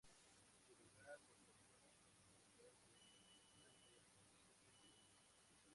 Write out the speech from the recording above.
Su lugar lo tomó el jugador del Atlante, Christian Bermúdez.